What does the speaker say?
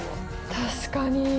確かに。